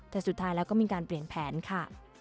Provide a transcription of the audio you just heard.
แต่สุดท้ายแล้วก็มีการเปลี่ยนแผนค่ะ